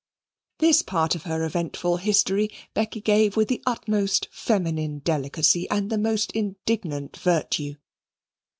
This part of her eventful history Becky gave with the utmost feminine delicacy and the most indignant virtue.